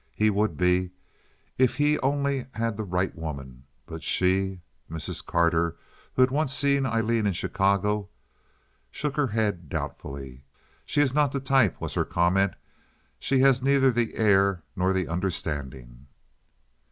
He would be if he only had the right woman; but she—" Mrs. Carter, who had once seen Aileen in Chicago, shook her head doubtfully. "She is not the type," was her comment. "She has neither the air nor the understanding."